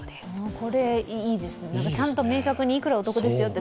これいいですね、ちゃんと明確にいくらお得ですよって